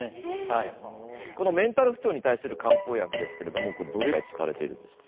このメンタル不調に対する漢方薬ですけれどもどれぐらい使われているんですか？